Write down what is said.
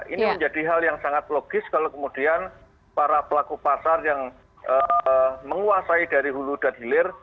ini menjadi hal yang sangat logis kalau kemudian para pelaku pasar yang menguasai dari hulu dan hilir